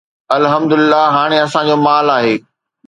الحمدلله هاڻي اسان جو مال آهي